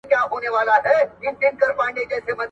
د زړه سخاوت مهم دی.